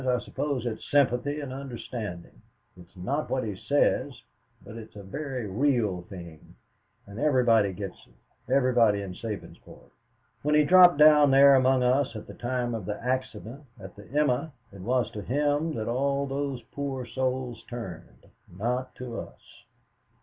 I suppose it's sympathy and understanding. It is not what he says, but it's a very real thing, and everybody gets it, everybody in Sabinsport. When he dropped down there among us at the time of the accident at the 'Emma,' it was to him that all those poor souls turned, not to us.